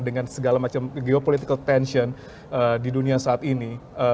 dengan segala macam geopolitical tension di dunia saat ini